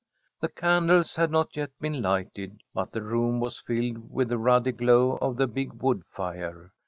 The candles had not yet been lighted, but the room was filled with the ruddy glow of the big wood fire.